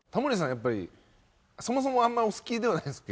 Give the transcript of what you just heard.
やっぱりそもそもあんまりお好きではないですか？